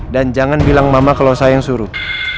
dan jangan bilang mama kalau saya yang suruh